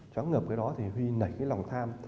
chóng ngợp cái đó thì huy nảy cái lòng tham